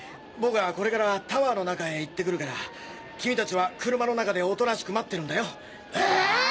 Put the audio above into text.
僕はこれからタワーの中へ行ってくるから君達は車の中でおとなしく待ってるんだよ！